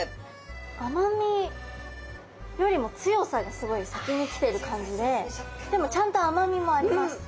甘みよりも強さがすごい先に来てる感じででもちゃんと甘みもあります。